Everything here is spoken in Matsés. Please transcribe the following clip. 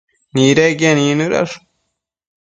nidequien icnëdash